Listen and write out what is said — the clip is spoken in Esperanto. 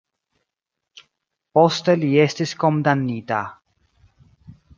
Poste li estis kondamnita.